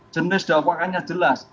jenis dakwaannya jelas